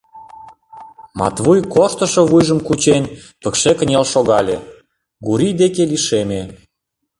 Матвуй, корштышо вуйжым кучен, пыкше кынел шогале, Гурий деке лишеме.